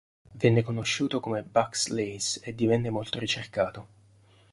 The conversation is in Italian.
Venne conosciuto come "Bucks lace" e divenne molto ricercato.